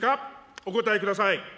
お答えください。